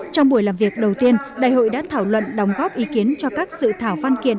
trong buổi làm việc đầu tiên đại hội đã thảo luận đóng góp ý kiến cho các sự thảo văn kiện